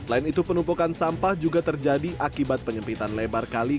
selain itu penumpukan sampah juga terjadi akibat penyempitan lebar kali